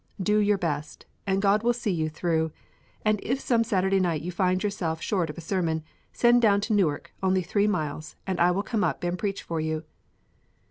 Do your best, and God will see you through; and if some Saturday night you find yourself short of a sermon, send down to Newark, only three miles, and I will come up and preach for you."